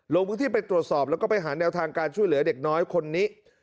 ลงพื้นที่ไปตรวจสอบแล้วก็ไปหาแนวทางการช่วยเหลือเด็กน้อยคนนี้